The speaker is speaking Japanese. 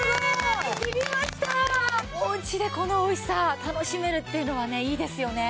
おうちでこのおいしさ楽しめるっていうのはねいいですよね。